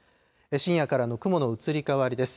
深夜からの雲の移り変わりです。